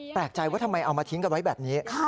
แปลกใจว่าทำไมเอามาทิ้งกันไว้แบบนี้